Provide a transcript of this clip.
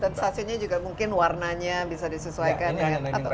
dan stasiunnya juga mungkin warnanya bisa disesuaikan ya